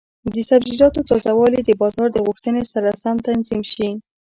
د سبزیجاتو تازه والي د بازار د غوښتنې سره سم تنظیم شي.